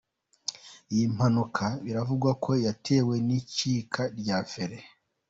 Iyi mpanuka biravugwa ko yatewe n’icika rya feri.